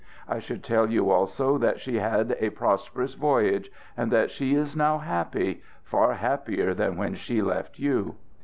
I should tell you also that she had a prosperous voyage, and that she is now happy far happier than when she left you.